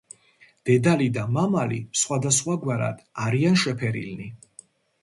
დედალი და მამალი სხვადასხვაგვარად არიან შეფერილნი.